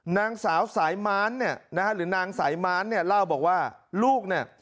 นางสาวสายม้านเนี่ยนะฮะหรือนางสายม้านเนี่ยเล่าบอกว่าลูกเนี่ย